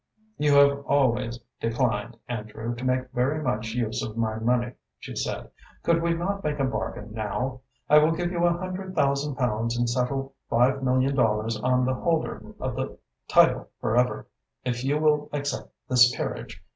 "You have always declined, Andrew, to make very much use of my money," she said. "Could we not make a bargain now? I will give you a hundred thousand pounds and settle five million dollars on the holder of the title forever, if you will accept this peerage.